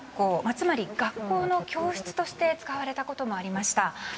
つまり学校の教室として使われたこともありました。